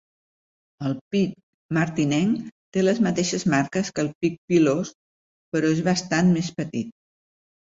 El pic martinenc té les mateixes marques que el pic pilós però és bastant més petit.